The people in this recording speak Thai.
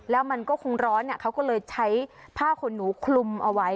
แล้วมันก็คงร้อนเขาก็เลยใช้ผ้าขนหนูคลุมเอาไว้